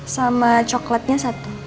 sama coklatnya satu